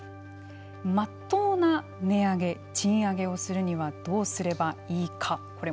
まっとうな値上げ賃上げをするにはどうすればいいか。